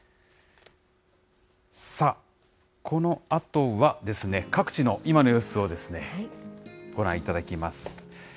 さあ、このあとはですね、各地の今の様子をご覧いただきます。